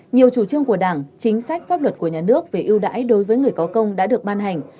nhiều chủ trương của đảng chính sách pháp luật của nhà nước về ưu đãi đối với người có công đã được ban hành